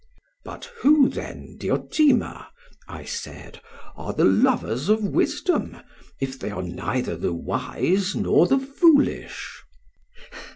'But who then, Diotima,' I said, 'are the lovers of wisdom, if they are neither the wise nor the foolish?'